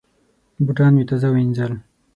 بوټان مې تازه وینځل.